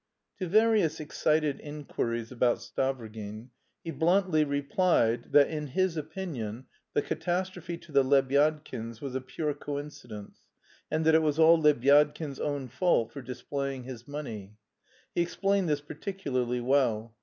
To various excited inquiries about Stavrogin he bluntly replied that in his opinion the catastrophe to the Lebyadkins was a pure coincidence, and that it was all Lebyadkin's own fault for displaying his money. He explained this particularly well.